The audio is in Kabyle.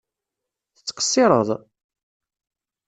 Tettqeṣṣireḍ?